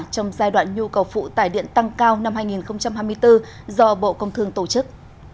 trong giai đoạn nhu cầu phụ tải điện tăng cao năm hai nghìn hai mươi bốn do bộ công thương tổ chức